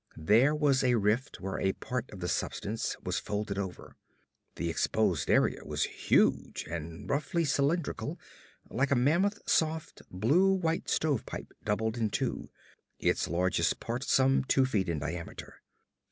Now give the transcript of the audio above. There was a rift where a part of the substance was folded over. The exposed area was huge and roughly cylindrical; like a mammoth soft blue white stovepipe doubled in two, its largest part some two feet in diameter.